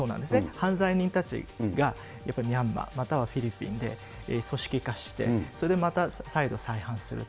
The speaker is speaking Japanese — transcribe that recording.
犯罪人たちが、やっぱりミャンマー、またはフィリピンで組織化して、それでまた再度再犯すると。